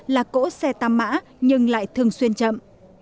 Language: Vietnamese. là cỗ xe tăm mã nhưng lại thường xuyên chậm